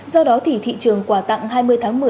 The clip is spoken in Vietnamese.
do đó thì thị trường quà tặng hai mươi tháng một mươi